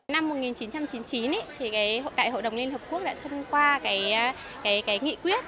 năm một nghìn chín trăm chín mươi chín hội đại hội đồng liên hợp quốc đã thông qua nghị quyết